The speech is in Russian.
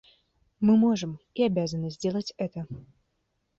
Мы можем и обязаны сделать это.